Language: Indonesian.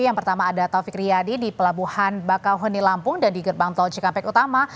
yang pertama ada taufik riyadi di pelabuhan bakauheni lampung dan di gerbang tol cikampek utama